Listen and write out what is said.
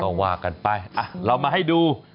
ก็ว่ากันไปเรามาให้ดู